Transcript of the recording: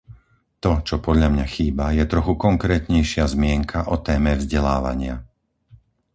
To, čo podľa mňa chýba, je trochu konkrétnejšia zmienka o téme vzdelávania.